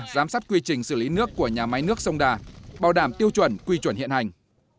giám sát quy trình xử lý nước của nhà máy nước sông đà bảo đảm tiêu chuẩn quy chuẩn hiện hành